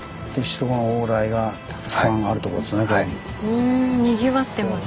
うんにぎわってますね。